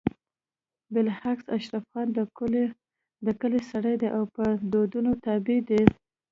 بالعكس اشرف خان د کلي سړی دی او په دودونو تابع دی